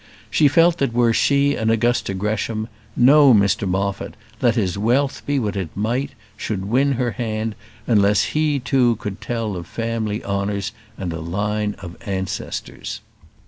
She felt that were she an Augusta Gresham, no Mr Moffat, let his wealth be what it might, should win her hand unless he too could tell of family honours and a line of ancestors.